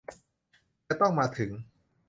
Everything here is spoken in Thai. จะต้องมาถึง